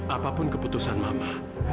apapun keputusan mama